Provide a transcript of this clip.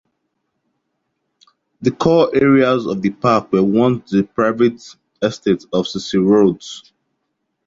The core areas of the park were once the private estate of Cecil Rhodes.